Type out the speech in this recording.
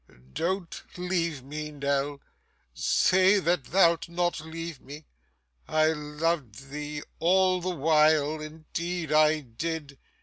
Don't leave me, Nell; say that thou'lt not leave me. I loved thee all the while, indeed I did.